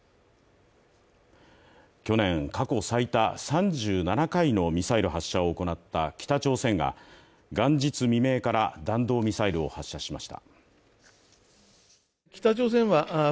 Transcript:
去年、過去最多３７回のミサイル発射を行った北朝鮮が元日未明から弾道ミサイルを発射しました。